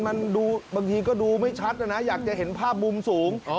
มันดูบางทีก็ดูไม่ชัดนะนะอยากจะเห็นภาพมุมสูง